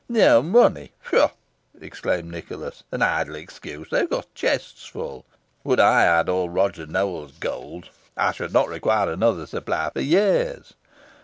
"No money! pshaw!" exclaimed Nicholas; "an idle excuse. They have chests full. Would I had all Roger Nowell's gold, I should not require another supply for years.